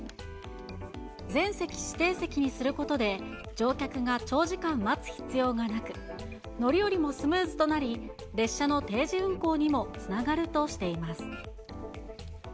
全席指定席にすることで、乗客が長時間待つ必要がなく、乗り降りもスムーズとなり、列車の定時運行にもつながるとしています。